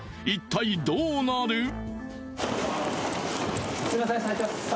一体どうなる？